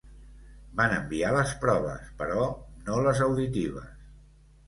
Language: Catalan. Van enviar les proves, però no les auditives.